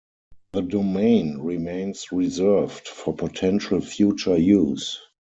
The domain remains reserved for potential future use.